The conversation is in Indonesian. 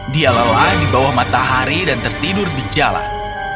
dia lelah di bawah matahari dan tertidur di jalan